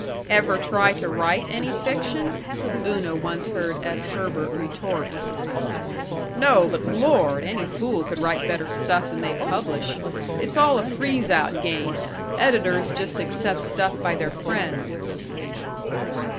"Ever try to write any fiction?" Una once heard S. Herbert retort. "No, but Lord! any fool could write better stuff than they publish. It's all a freeze out game; editors just accept stuff by their friends."